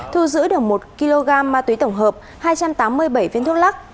thu giữ được một kg ma túy tổng hợp hai trăm tám mươi bảy viên thuốc lắc